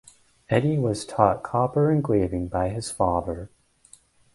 Eddy was taught copper engraving by his father.